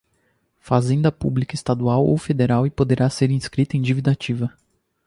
Fazenda Pública estadual ou federal e poderá ser inscrita em dívida ativa